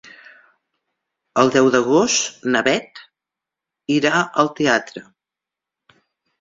El deu d'agost na Bet irà al teatre.